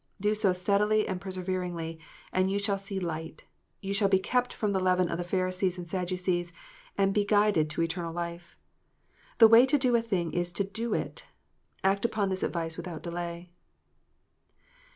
Do so steadily and perseveringly, and you shall see light : you shall be kept from the leaven of the Pharisees and Sadducees, and be guided to eternal life. The way to do a thing is to do it. Act upon this advice without delay.